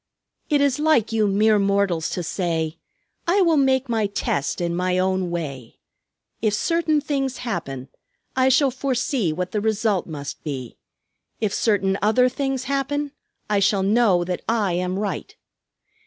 "It is like you mere mortals to say, 'I will make my test in my own way. If certain things happen, I shall foresee what the result must be. If certain other things happen, I shall know that I am right.'